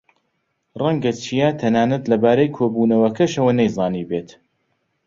ڕەنگە چیا تەنانەت لەبارەی کۆبوونەوەکەشەوە نەیزانیبێت.